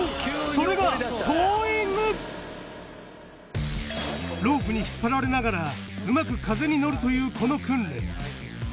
それがロープに引っ張られながらうまく風に乗るというこの訓練